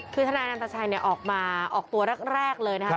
คือทนายอันตชัยออกมาออกตัวแรกเลยนะครับ